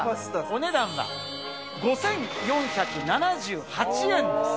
お値段が５４７８円です。